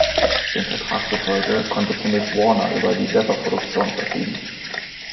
Dem Vertrag zufolge konnte zunächst Warner über die Zappa-Produktionen verfügen.